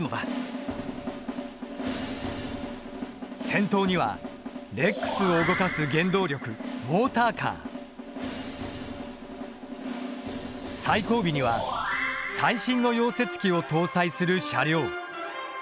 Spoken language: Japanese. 先頭にはＲＥＸＳを動かす原動力最後尾には最新の溶接機を搭載する車両。